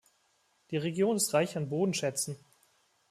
Die Region ist reich an Bodenschätzen.